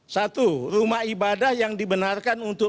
satu rumah ibadah yang dibenarkan untuk